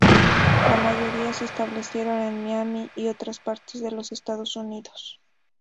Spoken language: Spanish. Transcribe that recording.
La mayoría se establecieron en Miami y otras partes de los Estados Unidos.